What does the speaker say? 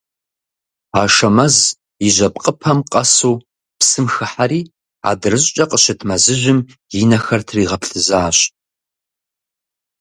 Ашэмэз и жьэпкъыпэм къэсу псым хыхьэри, адырыщӏкӏэ къыщыт мэзыжьым и нэхэр тригъэплъызащ.